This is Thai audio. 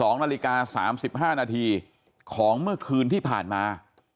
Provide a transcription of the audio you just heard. ๒นาฬิกา๓๕นาทีของเมื่อคืนที่ผ่านมา